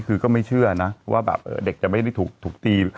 คือก็ไม่เชื่อนะว่าแบบเด็กจะไม่ได้ถูกตี